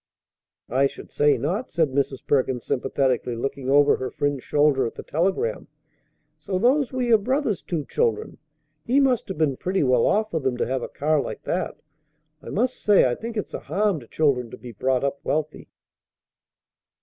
"I should say not!" said Mrs. Perkins sympathetically, looking over her friend's shoulder at the telegram. "So those were your brother's two children! He must 'uv been pretty well off for them to have a car like that. I must say I think it's a harm to children to be brought up wealthy."